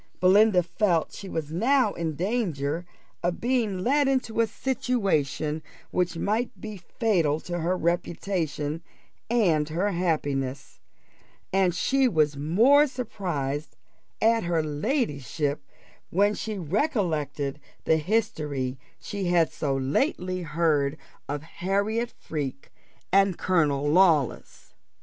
Belinda felt she was now in danger of being led into a situation which might be fatal to her reputation and her happiness; and she was the more surprised at her ladyship, when she recollected the history she had so lately heard of Harriot Freke and Colonel Lawless.